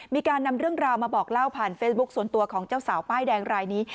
มีการนำเรื่องราวมาบอกเล่าผ่านเฟซบุ๊คส่วนตัวของเจ้าสาวป้ายแดงรายนี้